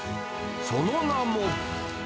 その名も。